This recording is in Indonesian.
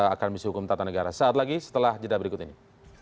akademisi hukum tata negara saat lagi setelah jeda berikutnya